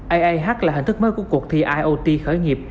aih là hình thức mới của cuộc thi iot khởi nghiệp